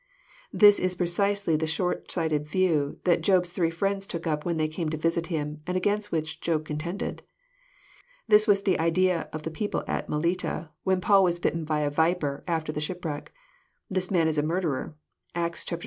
This was precisely the short sighted view that Job's three fk'iends took up when they came to visit him, and against which Job contended. This was the idea of the people at Melita, when Paul was bitten by a viper, after the ship wreck: "This man is a murderer." (Acts xxvlii.